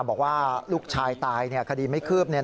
บอกว่าลูกชายตายคดีไม่คืบ